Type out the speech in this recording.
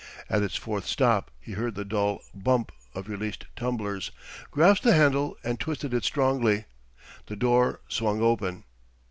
At its fourth stop he heard the dull bump of released tumblers, grasped the handle, and twisted it strongly. The door swung open.